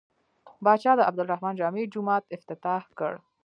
پاچا د عبدالرحمن جامع جومات افتتاح کړ.